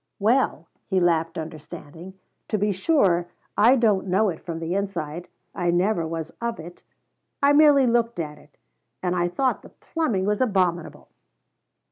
"Well," he laughed understanding, "to be sure I don't know it from the inside. I never was of it; I merely looked at it. And I thought the plumbing was abominable."